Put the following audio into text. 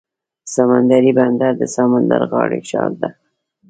سمندري بندر د سمندر غاړې ښار دی.